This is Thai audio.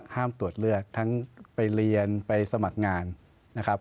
ตรวจเลือดทั้งไปเรียนไปสมัครงานนะครับ